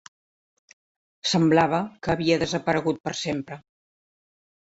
Semblava que havia desaparegut per sempre.